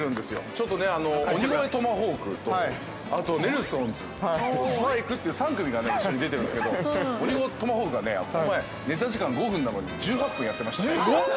ちょっと鬼越トマホークと、あとネルソンズ、スパイクという３組が一緒に出てるんですけど鬼越トマホークがこの前ネタ時間５分なのに１８分やっていました。